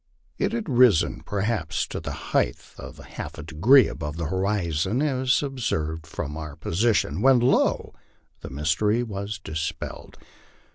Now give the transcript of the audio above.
It had risen per haps to the height of half a degree above the horizon as observed from our position, when, lo! the mystery was dispelled.